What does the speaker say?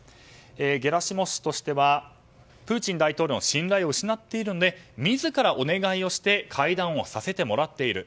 ゲラシモフ氏としてはプーチン大統領の信頼を失っているので自らお願いをして会談をさせてもらっている。